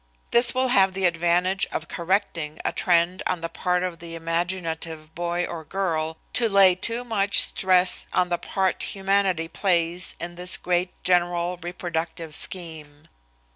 This will have the advantage of correcting a trend on the part of the imaginative boy or girl to lay too much stress on the part humanity plays in this great general reproductive scheme.